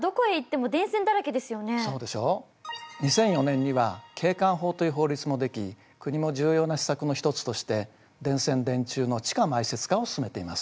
２００４年には景観法という法律も出来国も重要な施策の一つとして電線電柱の地下埋設化を進めています。